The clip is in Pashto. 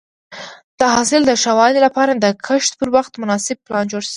د حاصل د ښه والي لپاره د کښت پر وخت مناسب پلان جوړ شي.